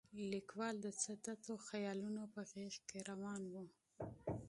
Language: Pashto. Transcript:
لیکوال د څه تتو خیالونه په غېږ کې راون و.